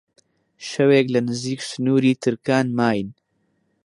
شەوێک لە نزیک سنووری ترکان ماین